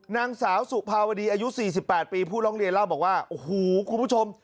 นางสาวสุภาวดีอายุ๔๘ปีผู้ร้องเรียนเล่าบอกว่าโอ้โหคุณผู้ชม